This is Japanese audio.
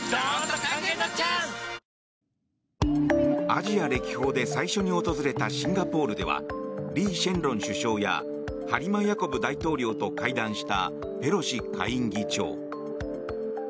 アジア歴訪で最初に訪れたシンガポールではリー・シェンロン首相やハリマ・ヤコブ大統領と会談したペロシ下院議長。